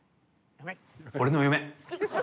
俺の嫁。